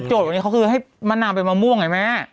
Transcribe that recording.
วันนี้เขาคือให้มะนาวเป็นมะม่วงไงแม่